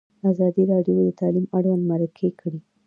ازادي راډیو د تعلیم اړوند مرکې کړي.